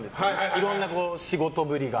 いろんな仕事ぶりが。